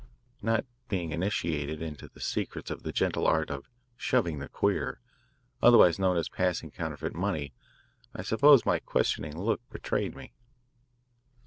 Not being initiated into the secrets of the gentle art of "shoving the queer," otherwise known as passing counterfeit money, I suppose my questioning look betrayed me.